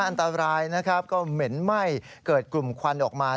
อันตรายนะครับก็เหม็นไหม้เกิดกลุ่มควันออกมา